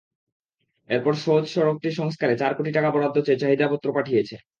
এরপর সওজ সড়কটি সংস্কারে চার কোটি টাকা বরাদ্দ চেয়ে চাহিদাপত্র পাঠিয়েছে।